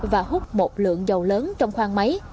và hút một lượng dầu lớn trong khoang máy